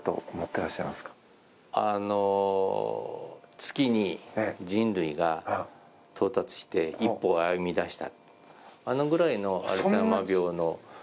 月に人類が到達して一歩を歩み出した。